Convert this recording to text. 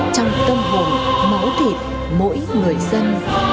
trong tâm hồn mẫu thịt mỗi người dân